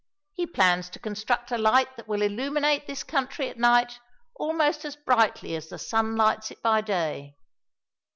He plans to construct a light that will illuminate this country at night almost as brightly as the sun lights it by day....